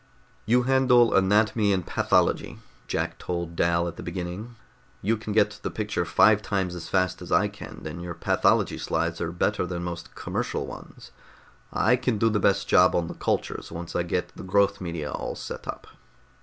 "You handle anatomy and pathology," Jack told Dal at the beginning. "You can get the picture five times as fast as I can, and your pathology slides are better than most commercial ones. I can do the best job on the cultures, once I get the growth media all set up."